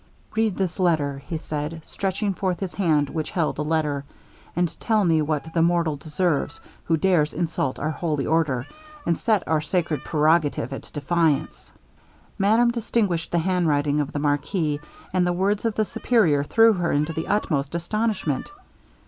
'Read this letter,' said he, stretching forth his hand which held a letter, 'and tell me what that mortal deserves, who dares insult our holy order, and set our sacred prerogative at defiance.' Madame distinguished the handwriting of the marquis, and the words of the Superior threw her into the utmost astonishment.